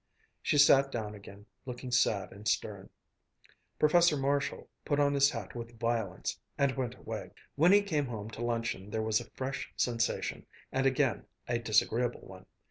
She sat down again, looking sad and stern. Professor Marshall put on his hat with violence, and went away. When he came home to luncheon there was a fresh sensation, and again a disagreeable one.